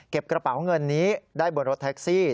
กระเป๋าเงินนี้ได้บนรถแท็กซี่